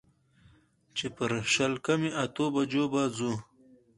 چې پر شل کمې اتو بجو به وځو.